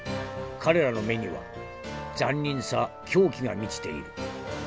彼らの目には残忍さ狂気が満ちている。